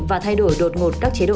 và thay đổi đột ngột các chế độ ăn